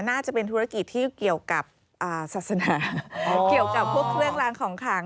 น่าจะเป็นธุรกิจที่เกี่ยวกับศาสนาเกี่ยวกับพวกเครื่องล้างของขัง